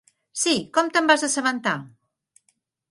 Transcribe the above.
Sí, com te'n vas assabentar?